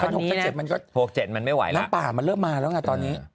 แต่ขั้น๖ขั้น๗มันก็น้ำป่ามันเริ่มมาแล้วไงตอนนี้